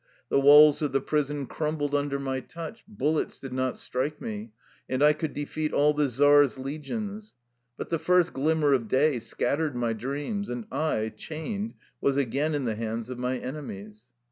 The walls of the prison crum bled under my touch, bullets did not strike me, and I could defeat all the czar's legions. But the first glimmer of day scattered my dreams, and I, chained, was again in the hands of my enemies.